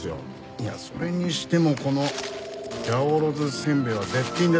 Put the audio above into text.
いやそれにしてもこの八百万せんべいは絶品ですね。